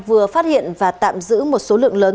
vừa phát hiện và tạm giữ một số lượng lớn